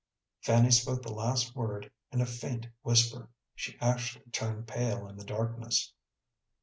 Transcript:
Fanny spoke the last word in a faint whisper. She actually turned pale in the darkness.